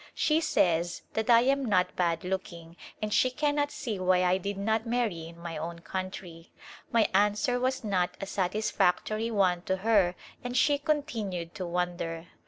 She says that I am not bad looking and she cannot see why I did not marry in my own country. My answer was not a satisfactory one to her and she continued to wonder.